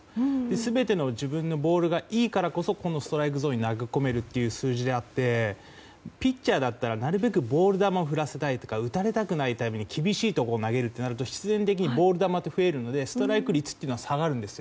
全ての自分のボールがいいからこそストライクゾーンに投げ込めるという数字であってピッチャーであったら、なるべくボール球を振らせたいとか打たれたくないから必然的にボール球というのは増えるのでストライク率は下がるんです。